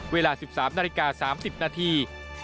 เวลา๑๓นาฬิกา๓๐นาที